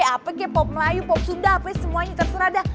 apa k pop melayu pop sunda apa semuanya terserah dah